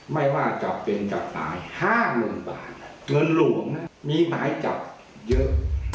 ไม่ว่าจะเป็นจับตาย๕๐๐๐บาทเงินหลวงมีหมายจับเยอะ